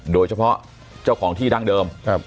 โดยเฉพาะเจ้าของที่ดั้งเดิม